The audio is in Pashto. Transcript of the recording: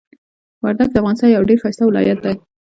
وردګ د افغانستان یو ډیر ښایسته ولایت ده.